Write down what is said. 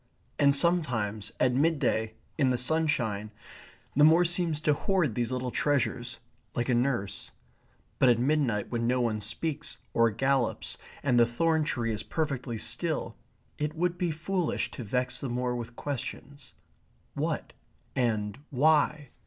And sometimes at midday, in the sunshine, the moor seems to hoard these little treasures, like a nurse. But at midnight when no one speaks or gallops, and the thorn tree is perfectly still, it would be foolish to vex the moor with questions what? and why?